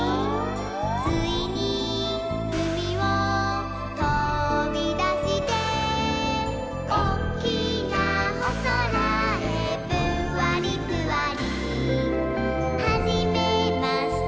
「ついにうみをとびだして」「おっきなおそらへぷんわりぷわり」「はじめまして